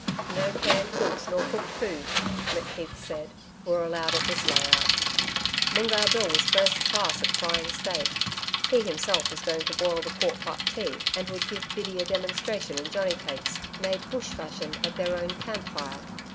'No canned goods, nor cooked food,' McKeith said, were allowed at this lay out. Moongarr Bill was first class at frying steak. He himself was going to boil the quart pot tea and would give Biddy a demonstration in johnny cakes, made bush fashion at their own camp fire.